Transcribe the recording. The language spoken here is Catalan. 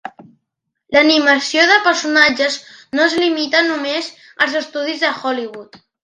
L'animació de personatges no es limita només als estudis de Hollywood.